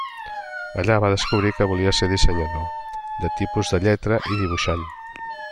Allà va descobrir que volia ser dissenyador de tipus de lletra i dibuixant.